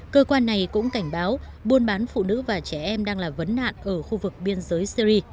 cơ quan này cũng cảnh báo buôn bán phụ nữ và trẻ em đang là vấn nạn ở khu vực biên giới syri